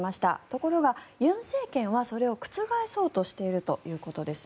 ところが尹政権はそれを覆そうとしているということです。